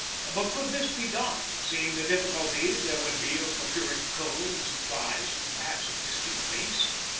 But could this be done, seeing the difficulty there would be of procuring coal and supplies from perhaps a distant base?